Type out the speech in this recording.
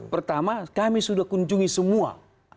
pertama kami sudah kunjungi semua